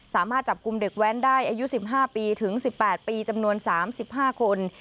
สามารถจับกลุ่มเด็กแว้นได้อายุ๑๕ปีถึง๑๘ปีจำนวน๓๕คน